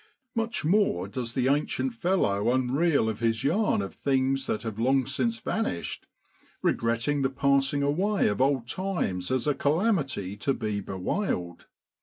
Much more does the ancient fellow unreel of his yarn of things that have long since vanished, regretting the passing away of old times as a calamity to be bewailed.